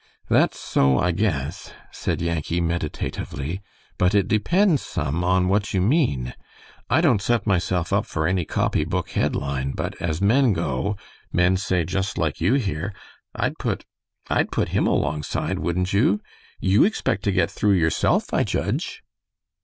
"That's so, I guess," said Yankee, meditatively, "but it depends some on what you mean. I don't set myself up for any copy book head line, but as men go men, say, just like you here I'd put I'd put him alongside, wouldn't you? You expect to get through yourself, I judge?"